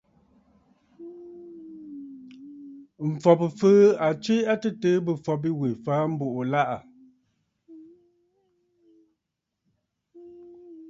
M̀fɔ̀ Bɨ̀fɨɨ̀ à tswe a tɨtɨ̀ɨ bɨ̀fɔ̀ bîwè fàa mbùʼù àlaʼà.